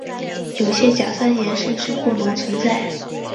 有些甲酸盐甚至不能存在。